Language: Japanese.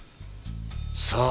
さあ？